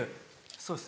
そうです。